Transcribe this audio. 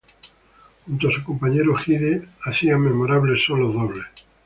Junto a su compañero Hide, hacían memorables solos dobles.